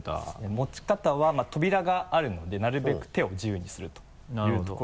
持ち方は扉があるのでなるべく手を自由にするというところで。